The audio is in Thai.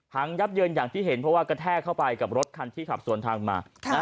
ยับเยินอย่างที่เห็นเพราะว่ากระแทกเข้าไปกับรถคันที่ขับสวนทางมา